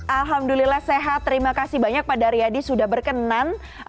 alhamdulillah sehat terima kasih banyak pak daryadi sudah berkenan